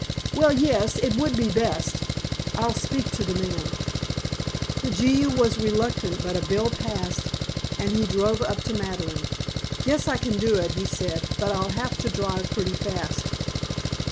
"Well, yes, it would be best. I'll speak to the man." The Jehu was reluctant, but a bill passed and he drove up to Madeleine. "Guess I can do it," he said, "but I'll have to drive pretty fast."